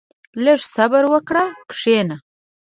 • لږ صبر وکړه، کښېنه.